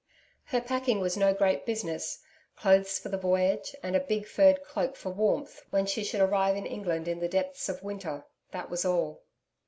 Her packing was no great business clothes for the voyage, and a big furred cloak for warmth, when she should arrive in England in the depth of winter that was all.